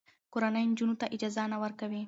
کورنۍ نجونو ته اجازه نه ورکوي.